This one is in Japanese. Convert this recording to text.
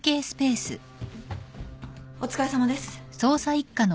お疲れさまです。